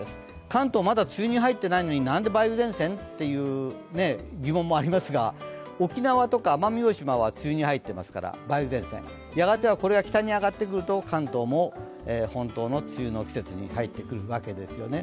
関東梅雨に入っていないのに何で梅雨前線？っていう疑問もあり舞うが沖縄とか奄美大島は梅雨に入っていますから梅雨前線、やがてこれが北に上がってくると関東も本当の梅雨の季節に入ってくるわけですよね。